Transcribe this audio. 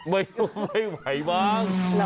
ไม่ไหวบ้าง